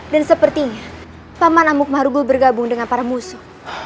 dan sepertinya paman amuk marugul bergabung dengan para musuh